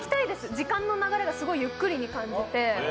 時間の流れがすごいゆっくりに感じて。